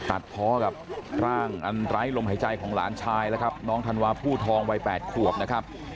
ตัดเพาะกับร่างอันไร้ลมหายใจของหลานชายแล้วครับน้องธันวาผู้ทองวัย๘ขวบนะครับ